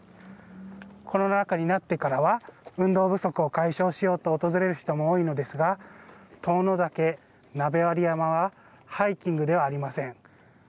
コロナ禍になってからは、運動不足を解消しようと訪れる人も多いのですが、塔ノ岳、鍋割山は、ハイキングではありません。